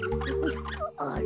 あれ？